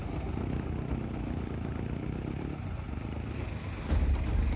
โดนไปเยอะแค่นั้นแหละ